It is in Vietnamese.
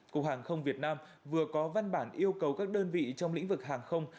cục hàng không việt nam vừa có văn bản yêu cầu các đơn vị trong lĩnh vực hàng không